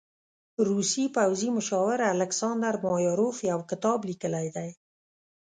روسي پوځي مشاور الکساندر مایاروف يو کتاب لیکلی دی.